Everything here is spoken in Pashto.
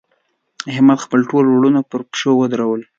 احمد؛ خپل ټول وروڼه پر پښو ودرول.